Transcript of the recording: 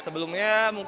sebelumnya mungkin lupa